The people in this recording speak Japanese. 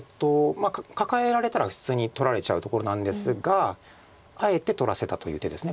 カカえられたら普通に取られちゃうところなんですがあえて取らせたという手です